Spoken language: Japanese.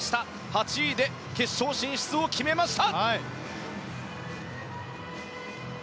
８位で決勝進出を決めました。